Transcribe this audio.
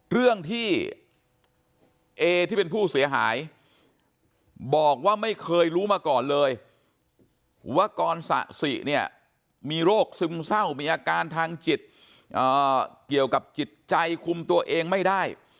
เรื่องที่เอที่เป็นผู้เสียหายบอกว่าไม่เคยรู้มาก่อนเลยว่ากรสะสิเนี่ยมีโรคซึมเศร้ามีอาการทางจิตเกี่ยวกับจิตใจคุมตัวเองไม่ได้